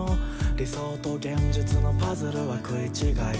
「理想と現実のパズルは食い違い」